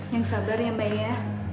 yang sabar ya mbak ya